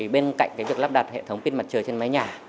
bên cạnh việc lắp đặt hệ thống pin mặt trời trên mái nhà